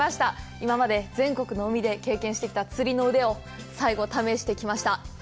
今まで全国の海で経験してきた釣りの腕を最後、試してきました。